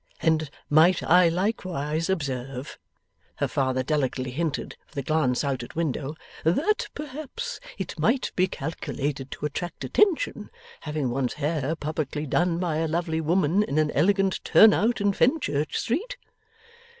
And might I likewise observe,' her father delicately hinted, with a glance out at window, 'that perhaps it might be calculated to attract attention, having one's hair publicly done by a lovely woman in an elegant turn out in Fenchurch Street?